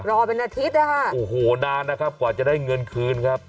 รอเป็นอาทิตย์นะคะโอ้โหนานนะครับกว่าจะได้เงินคืนครับ